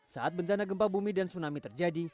saat bencana gempa bumi dan tsunami terjadi